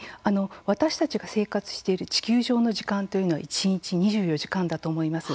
私たちが生活している地球上の時間というのは一日２４時間だと思います。